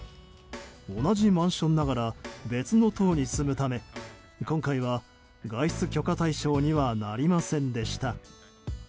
同じマンションながら別の棟に住むため今回は外出許可対象にはなりませんでした。